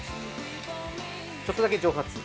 ちょっとだけ蒸発。